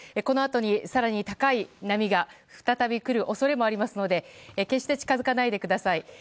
このあとに更に高い波が再びくる恐れもありますので決して近づかないでください。